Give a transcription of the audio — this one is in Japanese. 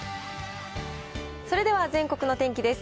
それでは全国の天気です。